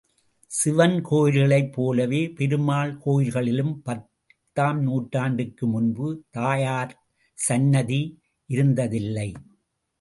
சிவன் கோயில்களைப் போலவே பெருமாள் கோயில்களிலும் பத்தாம் நூற்றாண்டிற்கு முன்பு தாயார் சந்நிதி இருந்ததில்லை.